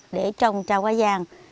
để trồng trào hoa vàng